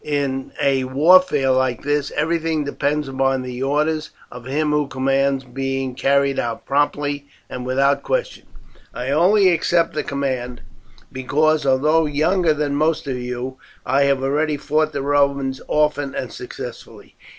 In a warfare like this everything depends upon the orders of him who commands being carried out promptly and without question. I only accept the command because, although younger than most of you, I have already fought the Romans often and successfully.